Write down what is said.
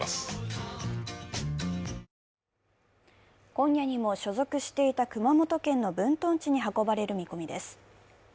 今夜にも所属していた熊本県の分屯地に運ばれる見込みです。